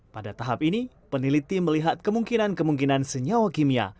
pada tahap ini peneliti melihat kemungkinan kemungkinan senyawa kimia